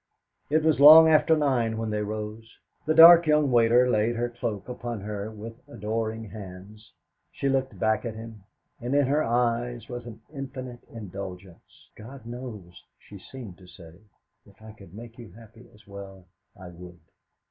It was long after nine when they rose. The dark young waiter laid her cloak upon her with adoring hands. She looked back at him, and in her eyes was an infinite indulgence. 'God knows,' she seemed to say, 'if I could make you happy as well, I would.